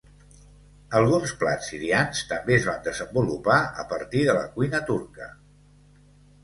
Alguns plats sirians també es van desenvolupar a partir de la cuina turca.